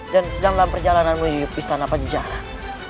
dan sedang dalam perjalanan menuju istana panjajaran